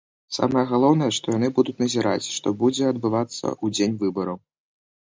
Самае галоўнае, што яны будуць назіраць, што будзе адбывацца ў дзень выбараў.